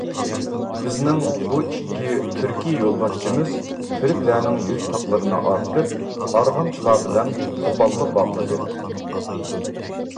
بىزنىڭ بۇ ئىككى تۈركى يولباشچىمىز تۆگىلەرنىڭ يۈك تاقلىرىنى ئارتىپ، ئارغامچىلار بىلەن قوپاللا باغلىدى.